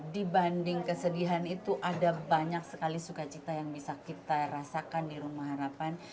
dibanding kesedihan itu ada banyak sekali sukacita yang bisa kita rasakan di rumah harapan